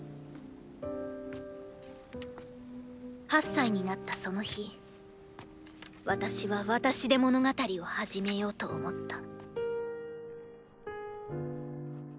８歳になったその日私は私で物語を始めようと思った